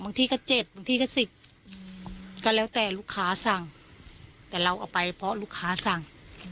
ที่ก็๗บางที่ก็๑๐ก็แล้วแต่ลูกค้าสั่งแต่เราเอาไปเพราะลูกค้าสั่ง